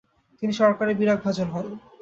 তিনি সরকারের বিরাগভাজন হন।